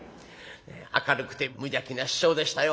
明るくて無邪気な師匠でしたよ。